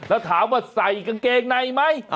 แล้วถามว่าใส่กางเกงในไหม